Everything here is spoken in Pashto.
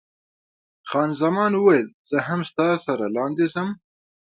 خان زمان وویل، زه هم ستا سره لاندې ځم.